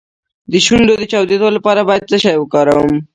د شونډو د چاودیدو لپاره باید څه شی وکاروم؟